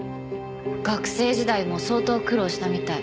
学生時代も相当苦労したみたい。